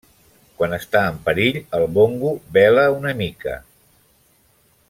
Quan està en perill, el bongo bela una mica.